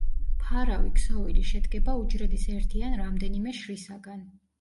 მფარავი ქსოვილი შედგება უჯრედის ერთი ან რამდენიმე შრისაგან.